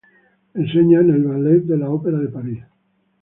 Enseña en el ballet de la Opera de Paris.